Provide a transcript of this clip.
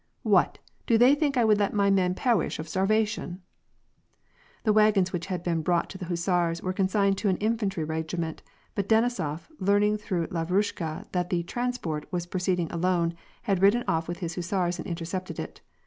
"What! do they think I would let my men pewish of starvation ?" The wagons which had been brought to the hussars were consigned to an infantry regiment, but Denisof, learning through Lavrushka that the " transport " was proceeding alone, had ridden off with his hussars and intercepted it.